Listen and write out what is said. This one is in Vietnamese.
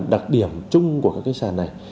đặc điểm chung của các cái sản này